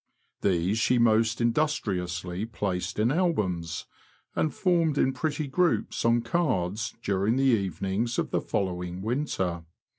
These she most industriously placed in albums, and formed in pretty groups on cards during the evenings of the following winter.